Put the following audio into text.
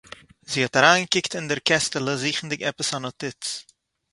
זי האָט אַריינגעקוקט אין דער קעסטעלע זוכנדיג עפּעס אַ נאָטיץ